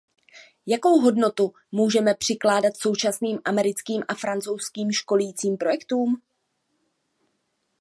Jakou hodnotu můžeme přikládat současným americkým a francouzským školicím projektům?